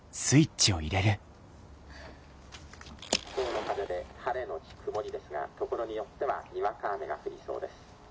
「の風で晴れのち曇りですがところによってはにわか雨が降りそうです。